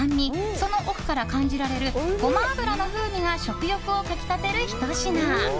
その奥から感じられるゴマ油の風味が食欲をかき立てるひと品。